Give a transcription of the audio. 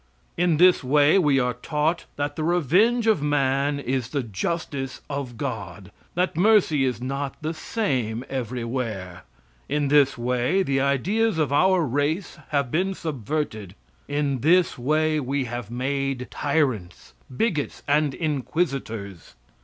In this way we are taught that the revenge of man is the justice of God, that mercy is not the same everywhere. In this way the ideas of our race have been subverted. In this way we have made tyrants, bigots, and inquisitors.